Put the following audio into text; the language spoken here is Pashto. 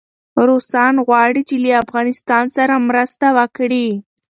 روسان غواړي چي له افغانستان سره مرسته وکړي.